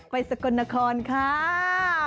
ไปสกนครค่า